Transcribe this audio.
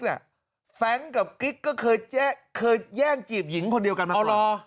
แฟรงค์กับกิ๊กก็เคยแย่งจีบหญิงคนเดียวกันมาก่อน